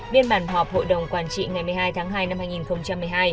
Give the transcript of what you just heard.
biên bản họp hội đồng quản trị ngày một mươi hai tháng hai năm hai nghìn một mươi hai